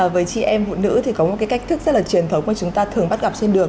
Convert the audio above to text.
với chị em phụ nữ thì có một cái cách thức rất là truyền thống mà chúng ta thường bắt gặp trên đường